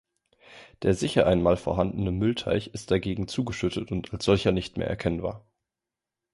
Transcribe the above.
Der sicher einmal vorhandene Mühlteich ist dagegen zugeschüttet und als solcher nicht mehr erkennbar.